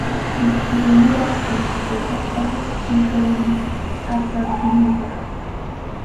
Chiqchiniraq tupshusapa pishqum akaklluqa.